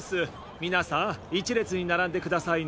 みなさん１れつにならんでくださいね。